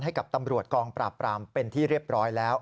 ให้กับตำรวจกองปราบปรามเป็นที่เรียบร้อยแล้ว